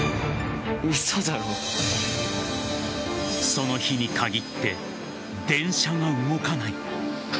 その日に限って電車が動かない。